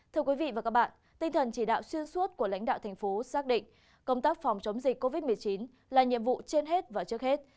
thưa quý vị và các bạn tinh thần chỉ đạo xuyên suốt của lãnh đạo thành phố xác định công tác phòng chống dịch covid một mươi chín là nhiệm vụ trên hết và trước hết